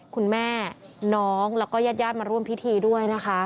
คุณแม่น้องแล้วก็ญาติญาติมาร่วมพิธีด้วยนะคะ